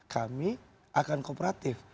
kami akan kooperatif